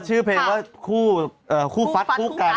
ชื่อเพลงว่าคู่ฟัตรแชงกัน